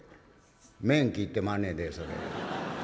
面切ってまんねんでそれ」。